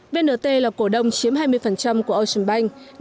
vnt là cổ đông chiếm hai mươi của ocean bank